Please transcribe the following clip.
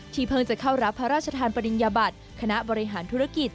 ที่เพิ่งจะเข้ารับราชภัณฑ์ปริญญบัติคณะบริหารธุรกิจ